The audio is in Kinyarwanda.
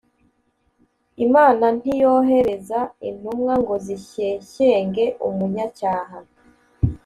Imana ntiyohereza intumwa ngo zishyeshyenge umunyacyaha